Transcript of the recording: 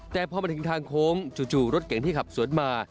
แต่พอมาถึงทางโค้งจู่รถเก่งที่ขับสวนมา